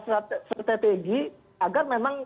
strategi agar memang